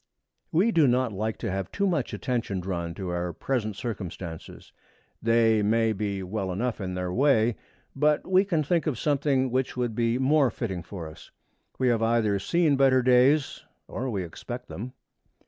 We do not like to have too much attention drawn to our present circumstances. They may be well enough in their way, but we can think of something which would be more fitting for us. We have either seen better days or we expect them.